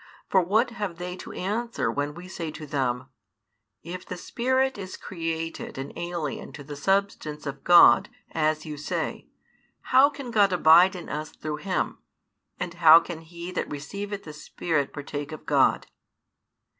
For what have they to answer when we say to them, "If the Spirit is created and alien to the substance of God, as you say, how can God abide in us through Him? And how can he that receiveth the Spirit partake of God?"